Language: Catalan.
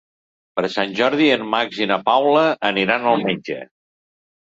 Per Sant Jordi en Max i na Paula aniran al metge.